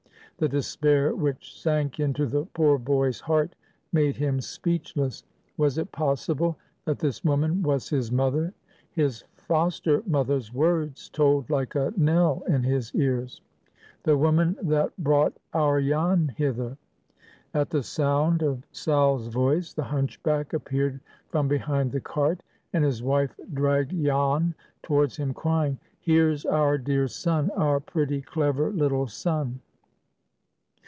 the despair which sank into the poor boy's heart made him speechless. Was it possible that this woman was his mother? His foster mother's words tolled like a knell in his ears,—"The woman that brought our Jan hither." At the sound of Sal's voice the hunchback appeared from behind the cart, and his wife dragged Jan towards him, crying, "Here's our dear son! our pretty, clever little son."